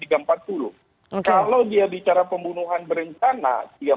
kalau dia bicara pembunuhan berencana